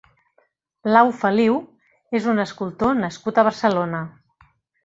Lau Feliu és un escultor nascut a Barcelona.